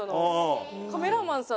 カメラマンさん